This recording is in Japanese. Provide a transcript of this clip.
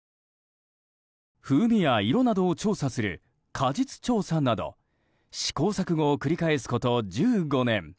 風味や色などを調査する果実調査など試行錯誤を繰り返すこと１５年